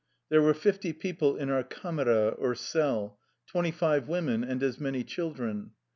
There were fifty people in our Jcdmera^^ twenty five women and as many children.